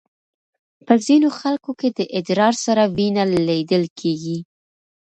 په ځینو خلکو کې د ادرار سره وینه لیدل کېږي.